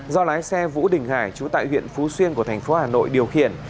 do lái xe vũ đình hải trú tại huyện phú xuyên của thành phố hà nội điều khiển